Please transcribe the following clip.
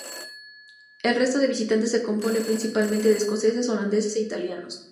El resto de visitantes se compone principalmente de escoceses, holandeses e italianos.